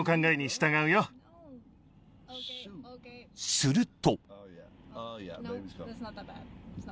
［すると］